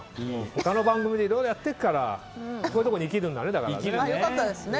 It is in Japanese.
他の番組でいろいろやってるからこういうところに生きるんだね。